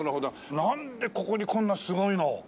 なんでここにこんなすごいのを？